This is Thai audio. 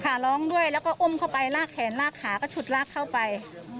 ขาร้องด้วยแล้วก็อุ้มเข้าไปลากแขนลากขาก็ฉุดลากเข้าไป